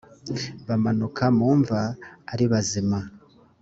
bamanuka mu mva ari bazima